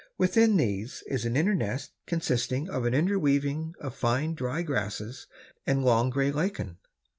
Within these is an inner nest consisting of an interweaving of fine dry grasses and long gray lichen."